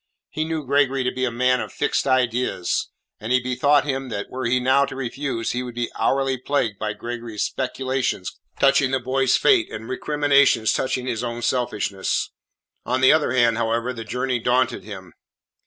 He knew Gregory to be a man of fixed ideas, and he bethought him that were he now to refuse he would be hourly plagued by Gregory's speculations touching the boy's fate and recriminations touching his own selfishness. On the other hand, however, the journey daunted him.